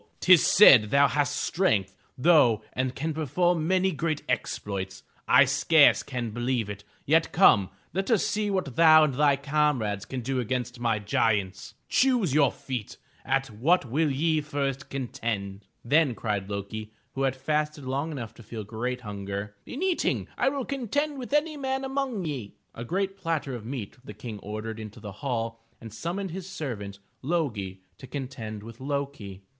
Tis said thou hast strength, though, and can perform many great exploits! I scarce can believe it! Yet come, let us see what thou and thy comrades can do against my giants. Choose your own feat. At what will ye first contend?" Then cried Lo'ki who had fasted long enough to feel great hunger: *Tn eating will I contend with any man among ye." A great platter of meat the King ordered into the hall, and summoned his servant, Lo'gi, to contend with Lo'ki.